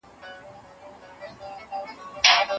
تعلیم د اسلام له خوا هڅول کېږي.